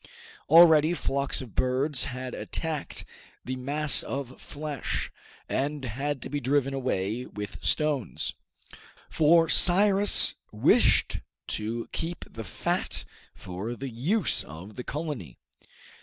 Already flocks of birds had attacked the mass of flesh, and had to be driven away with stones, for Cyrus wished to keep the fat for the use of the colony.